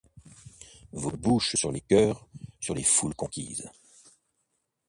Vos bouches sur les coeurs, sur les foules conquises